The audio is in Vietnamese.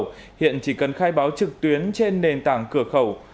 phương tiện chỉ cần khai báo trực tuyến trên nền tảng cửa khẩu